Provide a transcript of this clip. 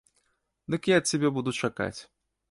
Дык я цябе буду чакаць.